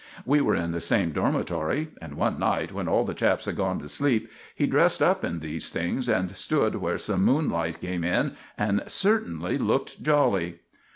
We were in the same dormitory, and one night, when all the chaps had gone to sleep, he dressed up in these things and stood where some moonlight came in, and certainly looked jolly.